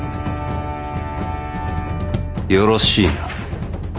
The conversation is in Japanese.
よろしいな。